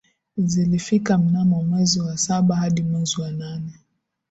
zilifika mnamo mwezi wa saba hadi mwezi wa nane